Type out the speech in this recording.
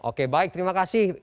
oke baik terima kasih